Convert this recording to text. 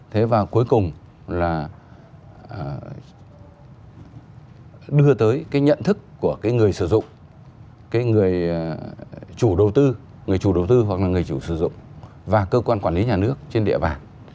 thế và cuối cùng là đưa tới cái nhận thức của cái người sử dụng cái người chủ đầu tư người chủ đầu tư hoặc là người chủ sử dụng và cơ quan quản lý nhà nước trên địa bàn